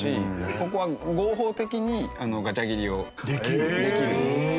ここは合法的にガチャ切りをできる。